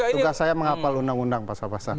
tugas saya menghapal undang undang pasal pasal